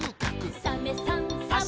「サメさんサバさん」